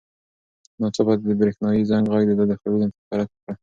ناڅاپه د برېښنایي زنګ غږ د ده خیالونه تیت پرک کړل.